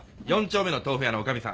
４丁目の豆腐屋の女将さん。